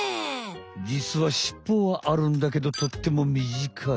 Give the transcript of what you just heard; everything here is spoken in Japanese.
実はしっぽはあるんだけどとってもみじかい。